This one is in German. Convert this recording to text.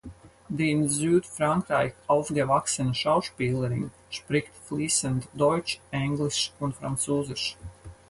Die in Südfrankreich aufgewachsene Schauspielerin spricht fließend Deutsch, Englisch und Französisch.